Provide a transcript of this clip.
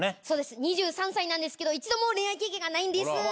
そうです２３歳なんですけど一度も恋愛経験がないんです。